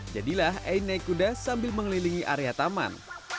jadilah ain naik kuda sambil mengelilingi area taman